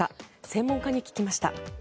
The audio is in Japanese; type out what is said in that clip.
専門家に聞きました。